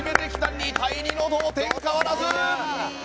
２対２の同点、変わらず！